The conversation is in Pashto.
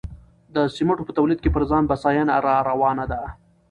د سمنټو په تولید کې پر ځان بسیاینه راروانه ده.